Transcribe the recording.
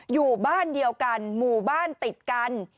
อยู่บ้านเดียวกันหมู่บ้านติดกัน